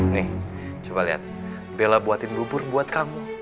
nih coba lihat bela buatin bubur buat kamu